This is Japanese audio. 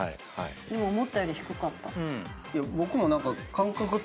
でも思ったより低かった。